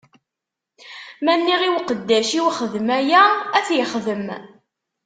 Ma nniɣ i uqeddac-iw: Xdem aya, ad t-ixdem.